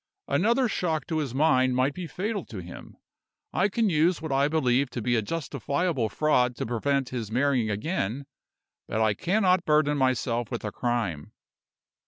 "Another shock to his mind might be fatal to him. I can use what I believe to be a justifiable fraud to prevent his marrying again; but I cannot burden myself with a crime."